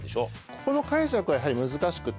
ここの解釈がやはり難しくて。